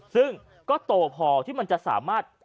ซึ่งก็โตพอที่มันจะสามารถ